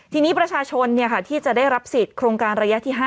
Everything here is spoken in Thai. ทีนี้ประชาชนที่จะได้รับสิทธิ์โครงการระยะที่๕